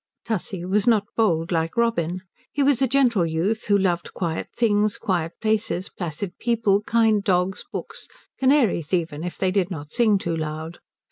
Tussie was not bold like Robin. He was a gentle youth who loved quiet things, quiet places, placid people, kind dogs, books, canaries even, if they did not sing too loud.